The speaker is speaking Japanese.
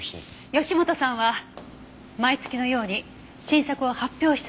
義本さんは毎月のように新作を発表し続けていた。